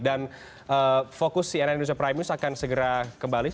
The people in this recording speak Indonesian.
dan fokus cnn indonesia prime news akan segera kembali